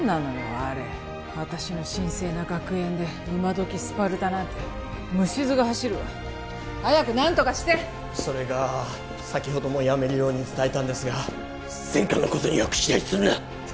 あれ私の神聖な学園で今どきスパルタなんてむしずが走るわ早く何とかしてそれが先ほどもやめるように伝えたんですが「専科のことには口出しするな！」って